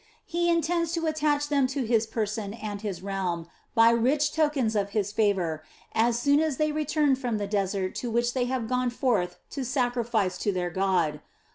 He intends to attach them to his person and his realm by rich tokens of his favor, as soon as they return from the desert to which they have gone forth to sacrifice to their God.